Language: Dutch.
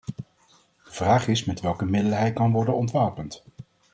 De vraag is met welke middelen hij kan worden ontwapend.